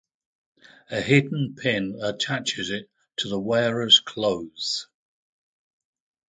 A hidden pin attaches it to the wearer's clothes.